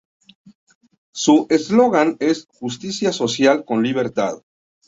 Su eslogan es "Justicia social con libertad".